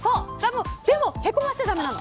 でも、へこましちゃ駄目なの。